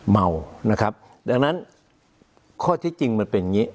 เมานะครับดังนั้นข้อที่จริงมันเป็นอย่างนี้